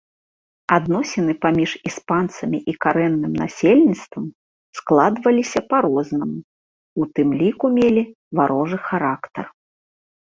Адносіны паміж іспанцамі і карэнным насельніцтвам складваліся па-рознаму, у тым ліку мелі варожы характар.